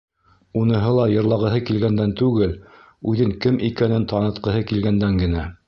Уныһы ла йырлағыһы килгәндән түгел, үҙен кем икәнен танытҡыһы килгәндән генә.